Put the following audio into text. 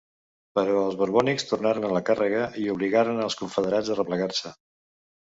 Però els borbònics tornaren a la càrrega i obligaren els confederats a replegar-se.